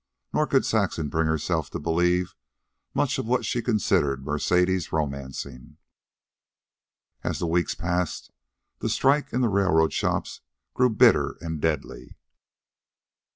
Nor could Saxon bring herself to believe much of what she considered Mercedes' romancing. As the weeks passed, the strike in the railroad shops grew bitter and deadly.